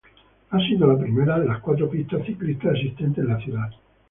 Ha sido la primera de las cuatro pistas ciclistas existentes en la ciudad.